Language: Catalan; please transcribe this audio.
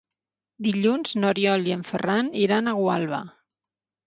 Dilluns n'Oriol i en Ferran iran a Gualba.